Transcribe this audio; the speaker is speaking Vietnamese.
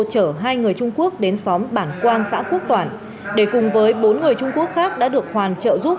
chở hai người trung quốc đến xóm bản quan xã quốc toản để cùng với bốn người trung quốc khác đã được hoàn trợ giúp